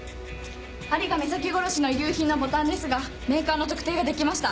有賀美咲殺しの遺留品のボタンですがメーカーの特定ができました。